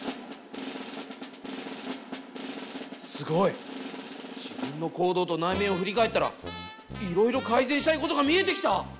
すごい！自分の行動と内面を振り返ったらいろいろ改善したいことが見えてきた！